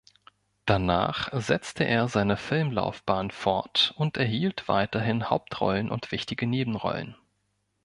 Danach setzte er seine Filmlaufbahn fort und erhielt weiterhin Hauptrollen und wichtige Nebenrollen.